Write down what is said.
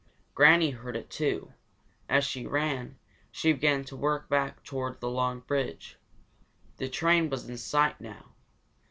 Granny heard it, too. As she ran, she began to work back toward the long bridge. The train was in sight now.